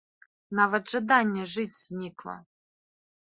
Нават жаданне жыць знікла.